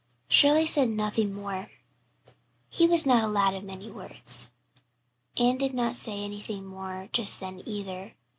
Shirley said nothing more. He was not a lad of many words. Anne did not say anything more just then, either.